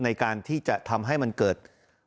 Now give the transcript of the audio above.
ในการที่จะทำให้มันเกิด